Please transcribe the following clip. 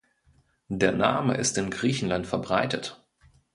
Der Name ist in Griechenland verbreitet.